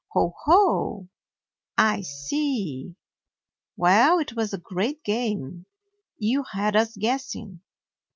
"Ho, ho! I see. Well, it was a great game. You had us guessing.